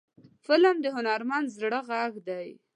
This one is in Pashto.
فلم د هنرمند زړه غږ دی